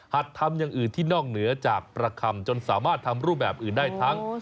ทำอย่างอื่นที่นอกเหนือจากประคำจนสามารถทำรูปแบบอื่นได้ทั้ง